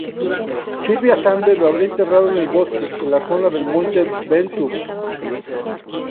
Silva Sande lo habría enterrado en el bosque, en la zona del monte Ventoux.